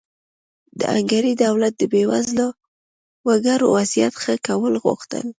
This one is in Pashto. د هنګري دولت د بېوزله وګړو وضعیت ښه کول غوښتل.